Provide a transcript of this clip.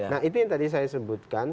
nah itu yang tadi saya sebutkan